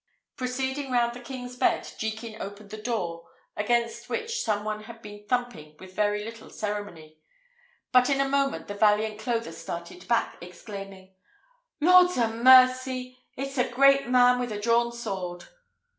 Proceeding round the king's bed, Jekin opened the door, against which some one had been thumping with very little ceremony; but in a moment the valiant clothier started back, exclaiming, "Lord 'a mercy! it's a great man with a drawn sword!"